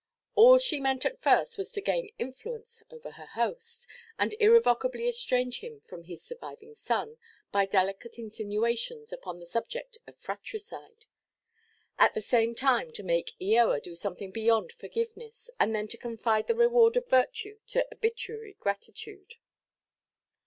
All she meant at first was to gain influence over her host, and irrevocably estrange him from his surviving son, by delicate insinuations upon the subject of fratricide; at the same time to make Eoa do something beyond forgiveness, and then to confide the reward of virtue to obituary gratitude.